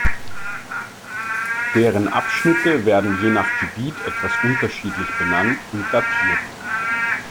Deren Abschnitte werden je nach Gebiet etwas unterschiedlich benannt und datiert.